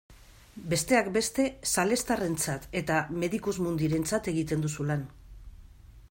Besteak beste salestarrentzat eta Medicus Mundirentzat egiten duzu lan.